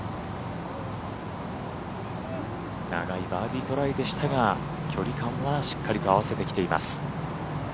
長いバーディートライでしたが距離感はしっかりと合わせてきています。